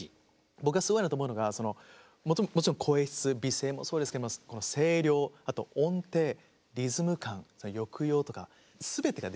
僕がすごいなと思うのがもちろん声質美声もそうですけども声量あと音程リズム感抑揚とか全てができる。